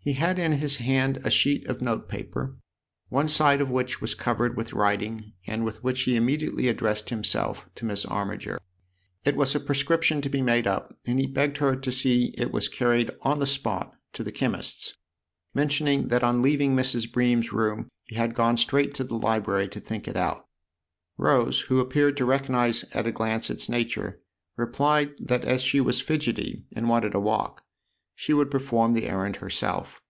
He had in his hand a sheet of note paper, one side of which was covered with writing and with which he immediately addressed himself to Miss Armiger. It was a prescription to be made up, and he begged her to see that it was carried on the spot to the chemist's, mentioning that on leaving Mrs. Bream's room he had gone straight to the library to think it out. Rose, who appeared to recognise at a glance its nature, replied that as she was fidgety and wanted a walk she would perform the errand herself.